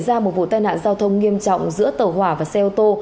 lại xảy ra một vụ tai nạn giao thông nghiêm trọng giữa tàu hòa và xe ô tô